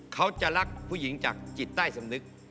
เขาจะรักผู้หญิงจากจิตใต้สำนึก